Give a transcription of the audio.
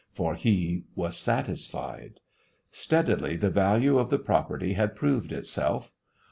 For he was satisfied. Steadily the value of the property had proved itself.